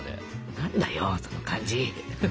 何だよその感じ！